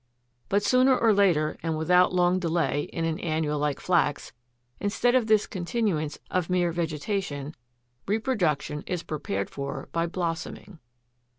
But sooner or later, and without long delay in an annual like Flax, instead of this continuance of mere vegetation, reproduction is prepared for by 15. =Blossoming.